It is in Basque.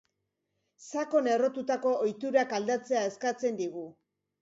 Sakon errotutako ohiturak aldatzea eskatzen digu.